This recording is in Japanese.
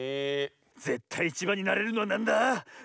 ぜったいいちばんになれるのはなんだ？